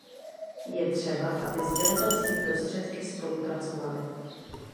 Je třeba, aby sdělovací prostředky spolupracovaly.